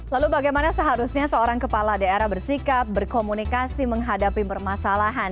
lalu bagaimana seharusnya seorang kepala daerah bersikap berkomunikasi menghadapi permasalahan